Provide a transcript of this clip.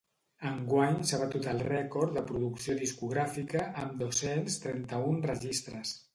Enguany s’ha batut el rècord de producció discogràfica, amb dos-cents trenta-un registres.